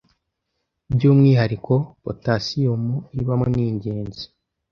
By’umwihariko Potassium ibamo ningenzi